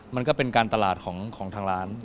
มันก็เป็นการตลาดของทางร้าน